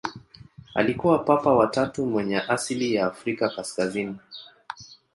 Alikuwa Papa wa tatu mwenye asili ya Afrika kaskazini.